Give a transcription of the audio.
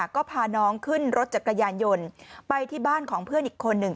ก็พาน้องขึ้นรถจักรยานยนต์ไปที่บ้านของเพื่อนอีกคนหนึ่ง